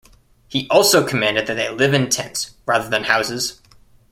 He also commanded that they live in tents, rather than houses.